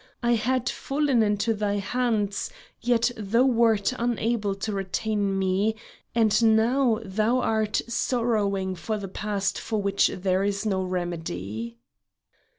I had fallen into thy hands, yet thou wert unable to retain me, and now thou art sorrowing for the past for which there is no remedy."